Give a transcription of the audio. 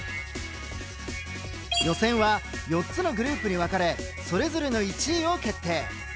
予選は４つのグループに分かれそれぞれの１位を決定。